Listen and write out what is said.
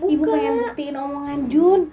ibu pengen buktiin omongan jun